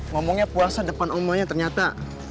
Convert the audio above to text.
ngomongnya puasa depan umumnya ternyata